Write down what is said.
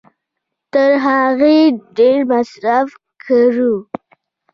تر هغې ډېر مصرف کړو